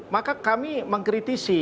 maka kami mengkritisi